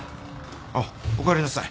あっおかえりなさい。